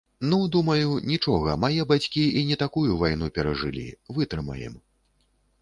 Ну, думаю, нічога, мае бацькі і не такую вайну перажылі, вытрымаем.